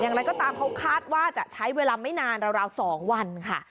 อย่างไรก็ตามเขาคาดว่าจะใช้เวลาไม่นานราว๒วันค่ะ